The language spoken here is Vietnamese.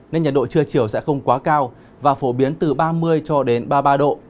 nên nhiệt độ trưa chiều sẽ không quá cao và phổ biến từ ba mươi cho đến ba mươi ba độ